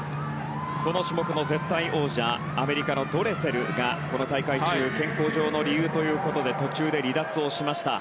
この種目の絶対王者アメリカのドレセルがこの大会中健康上の理由ということで途中で離脱をしました。